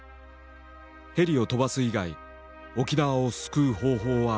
「ヘリを飛ばす以外沖縄を救う方法はありません」。